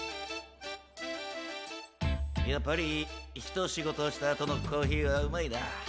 やっぱりひとしごとしたあとのコーヒーはうまいな。